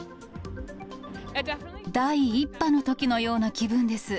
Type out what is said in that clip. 第１波のときのような気分です。